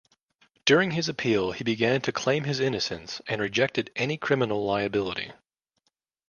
During his appeal, he began to claim his innocence and rejected any criminal liability.